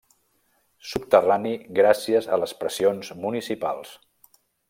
Subterrani gràcies a les pressions municipals.